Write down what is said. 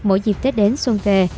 mỗi dịp tết đến xuân về